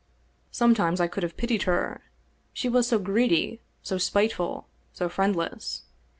Sometimes I could have pitied her, she was so greedy, so spiteful, so friendless.